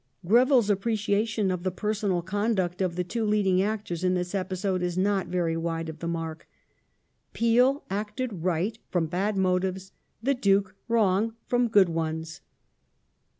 ^ Greville's appreciation of the per sonal conduct of the two leading actors in this episode is not very wide of the mark. *' Peel acted right from bad motives, the Duke wrong from good ones."